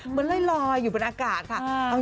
เหมือนลอยอยู่บนอากาศค่ะ